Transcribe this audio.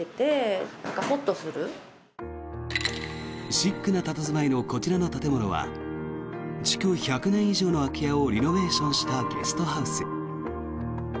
シックな佇まいのこちらの建物は築１００年以上の空き家をリノベーションしたゲストハウス。